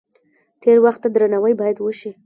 تیر وخت ته درناوی باید وشي.